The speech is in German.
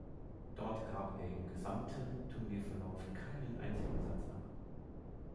Dort gab er im gesamten Turnierverlauf keinen einzigen Satz ab.